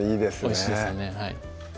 おいしいですよね